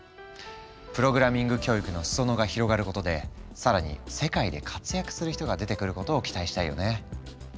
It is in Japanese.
プログラミング教育の裾野が広がることで更に世界で活躍する人が出てくることを期待したいよね。